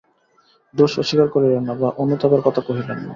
দোষ অস্বীকার করিলেন না, বা অনুতাপের কথা কহিলেন না।